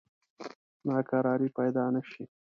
ناکراری پیدا نه شي.